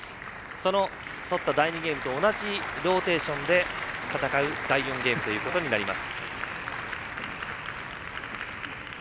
その取った第２ゲームと同じローテーションで戦う第４ゲームということになります。